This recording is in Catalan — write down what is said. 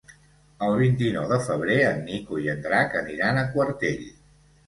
El vint-i-nou de febrer en Nico i en Drac aniran a Quartell.